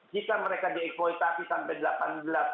jika mereka diekploitasi sampai